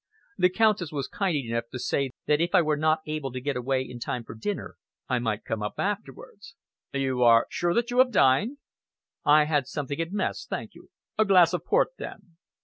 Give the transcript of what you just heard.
"The Countess was kind enough to say that if I were not able to get away in time for dinner, I might come up afterwards." "You are sure that you have dined?" "I had something at Mess, thank you." "A glass of port, then?"